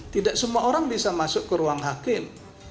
tidak semua orang bisa masuk ke ruang hakim